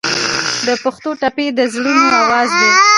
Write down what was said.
د پښتو ټپې د زړونو اواز دی.